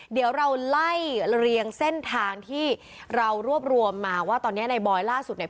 เดี๋ยวเราไล่เรียงเส้นทางที่เรารวบรวมมาว่าตอนนี้ในบอยล่าสุดเนี่ย